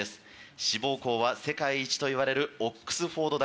志望校は世界一といわれるオックスフォード大学。